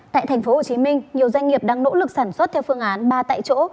tại tp hcm nhiều doanh nghiệp đang nỗ lực sản xuất theo phương án ba tại chỗ